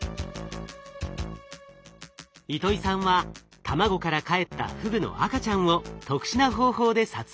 糸井さんは卵からかえったフグの赤ちゃんを特殊な方法で撮影しました。